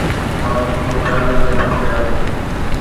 مان اوچتو خيالن تي عمل ڪريان ٿو